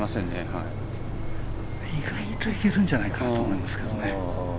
意外といけるんじゃないかと思いますけどね。